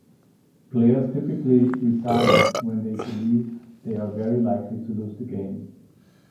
Players typically resign when they believe they are very likely to lose the game.